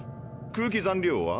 空気残量は？